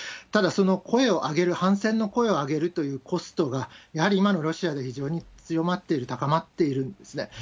ただ、その声を上げる、反戦の声を上げるというコストが、やはり今のロシアで非常に強まっている、高まっているんですね。